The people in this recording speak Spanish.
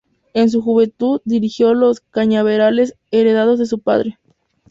En su juventud dirigió los cañaverales heredados de su padre.